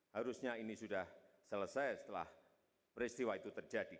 harusnya ini sudah selesai setelah peristiwa itu terjadi